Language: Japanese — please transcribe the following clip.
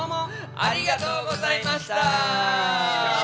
ありがとうございます。